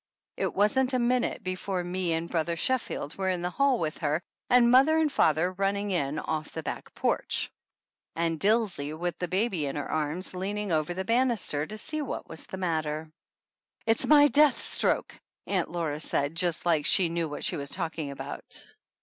It wasn't a minute before me and Brother Sheffield were in the hall with her and mother and father running in off of the back porch, 65 THE ANNALS OF ANN and Dilsey with the baby in her arms leaning over the banisters to see what was the matter. "It's my death stroke," Aunt Laura said, just like she knew what she was talking about.